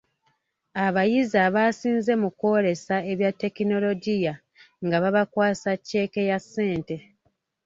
Abayizi abaasinze mu kwolesa ebya ttekinologiya nga babakwasa cceeke ya ssente.